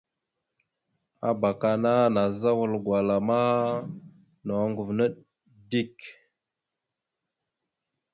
Abak ana nazza wal gwala ma noŋgov naɗ dik.